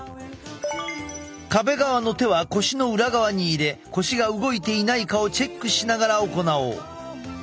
壁側の手は腰の裏側に入れ腰が動いていないかをチェックしながら行おう。